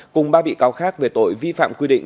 cùng ba bị cáo khác về tội vi phạm quy định